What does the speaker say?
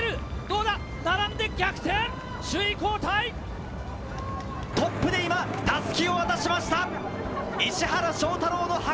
どうだ、並んで逆転、トップで今、たすきを渡しました。